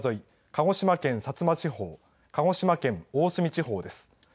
鹿児島県薩摩地方鹿児島県大隅地方です。